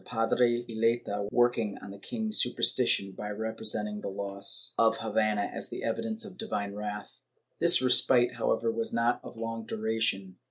Padre Eleta, working on the king's superstition by representing the loss of Havana as an evidence of divine wrath. ^ This respite, however, was not of long duration.